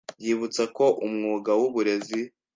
yibutsa ko umwuga w’Uburezi